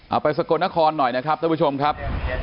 เอาไปสกรนครหน่อยนะครับทุกผู้ชมครับ